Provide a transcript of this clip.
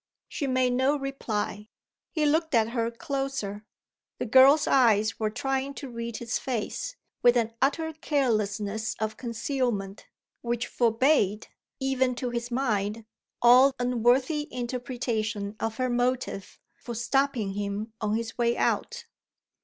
She made no reply. He looked at her closer. The girl's eyes were trying to read his face, with an utter carelessness of concealment, which forbade (even to his mind) all unworthy interpretation of her motive for stopping him on his way out.